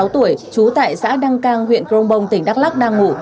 trú tại xã giang cang huyện crong bong tỉnh đắk lắc đang ngủ